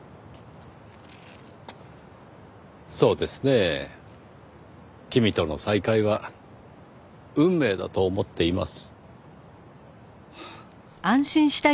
そうですねぇ君との再会は運命だと思っています。